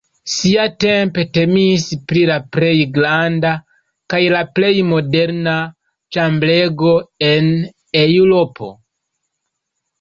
Siatempe temis pri la plej granda kaj la plej moderna ĉambrego en Eŭropo.